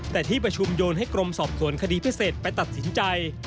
แต่ที่ประชุมโยนให้กรมสอบสวนคดีพิเศษไปตัดสินใจ